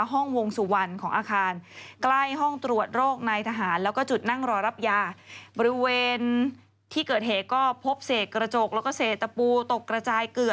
ห้องวงสุวรรณของอาคารใกล้ห้องตรวจโรคในทหารแล้วก็จุดนั่งรอรับยาบริเวณที่เกิดเหตุก็พบเศษกระจกแล้วก็เศษตะปูตกกระจายเกลือ